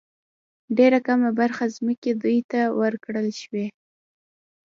ډېره کمه برخه ځمکې دوی ته ورکړل شوې.